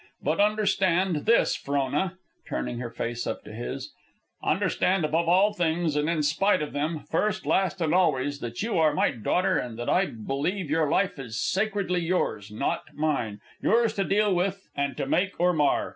But understand this, Frona," turning her face up to his, "understand above all things and in spite of them, first, last, and always, that you are my daughter, and that I believe your life is sacredly yours, not mine, yours to deal with and to make or mar.